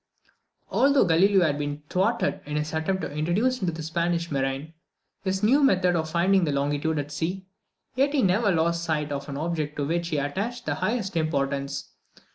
Although Galileo had been thwarted in his attempt to introduce into the Spanish marine his new method of finding the longitude at sea, yet he never lost sight of an object to which he attached the highest importance.